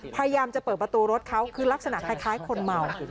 พยายามจะเปิดประตูรถเขาคือลักษณะคล้ายคนเมา